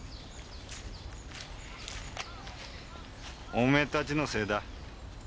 おめえたちのせいだ。